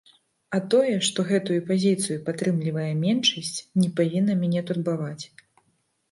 А тое, што гэтую пазіцыю падтрымлівае меншасць, не павінна мяне турбаваць.